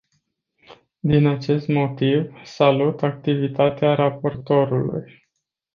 Din acest motiv, salut activitatea raportorului.